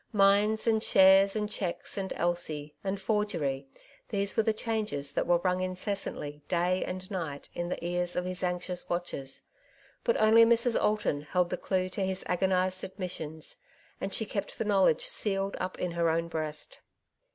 Mines, and shares, and cheques, and Elsie, and forgery — these were the changes that were rung incessantly day and night in the ears of his anxious watchers ; but only Mrs. Alton held the clue to his agonized admissions, and she kept the knowledge sealed up in her own breast.